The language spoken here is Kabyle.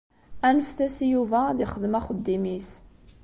Anfet-as i Yuba ad ixdem axeddim-is.